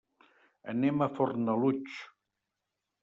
Anem a Fornalutx.